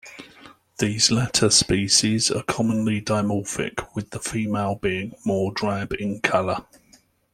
These latter species are commonly dimorphic, with the female being more drab in color.